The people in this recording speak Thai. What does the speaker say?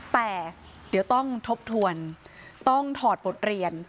แต่เดี๋ยวต้องทบทวนต้องถอดบทเรียน